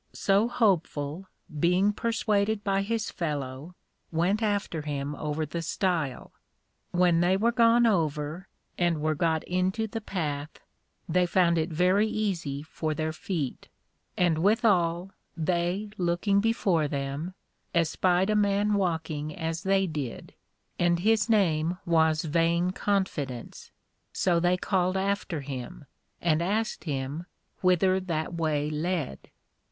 So Hopeful, being persuaded by his fellow, went after him over the Stile. When they were gone over, and were got into the Path, they found it very easy for their feet: and withal, they looking before them, espied a man walking as they did, (and his name was Vain confidence) so they called after him, and asked him whither that way led?